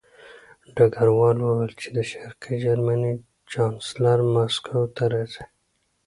ډګروال وویل چې د شرقي جرمني چانسلر مسکو ته راځي